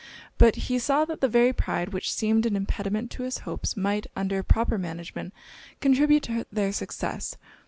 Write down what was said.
But he saw that the very pride which seemed an impediment to his hopes, might, under proper management, contribute to their success.